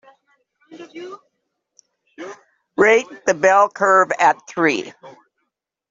Rate The Bell Curve a three.